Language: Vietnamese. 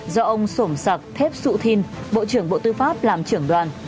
do ông sổm sạc thép sụ thin bộ trưởng bộ tư pháp làm trưởng đoàn